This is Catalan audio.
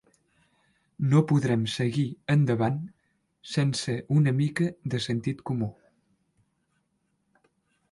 No podrem seguir endavant sense un mica de sentit comú.